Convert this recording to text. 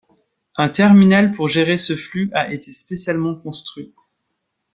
Un terminal pour gérer ce flux a été spécialement construit.